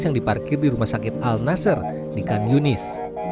yang diparkir di rumah sakit al nasar di kan yunis